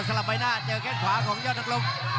ลับใบหน้าเจอแค่งขวาของยอดนักรบ